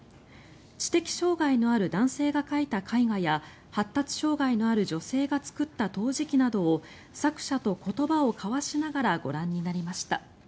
知的障害のある男性が描いた絵画や発達障害のある女性が作った陶磁器などを作者と言葉を交わしながらご覧になりました。